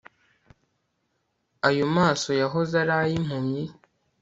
aya maso yahoze ari impumyi yahumetse umuyaga wo kwerekwa